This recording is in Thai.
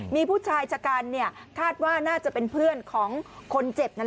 มีผู้ชายชะกันคาดว่าน่าจะเป็นเพื่อนของคนเจ็บ